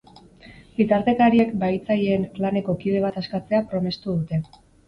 Bitartekariek bahitzaileen klaneko kide bat askatzea promestu dute.